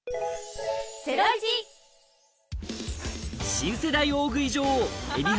新世代大食い女王・海老原